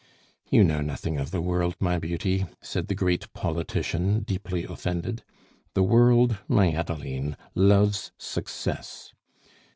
"You know nothing of the world, my beauty," said the great politician, deeply offended. "The world, my Adeline, loves success!